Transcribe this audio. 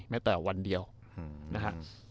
แม้แต่วันเดียวนะฮะ